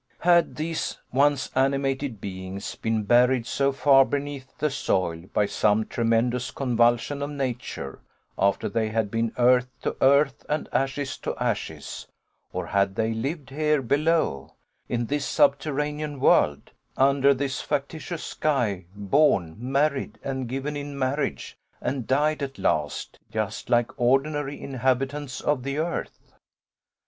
Had these once animated beings been buried so far beneath the soil by some tremendous convulsion of nature, after they had been earth to earth and ashes to ashes, or had they lived here below, in this subterranean world, under this factitious sky, borne, married, and given in marriage, and died at last, just like ordinary inhabitants of the earth?